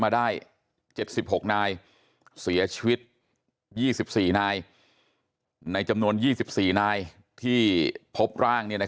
เดี๋ยวก็จะเสียหาย